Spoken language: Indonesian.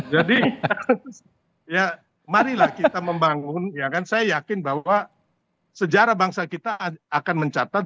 jadi ya marilah kita membangun yang akan saya yakin bahwa sejarah bangsa kita akan mencatat